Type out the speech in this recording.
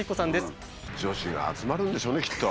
女子が集まるんでしょうねきっと。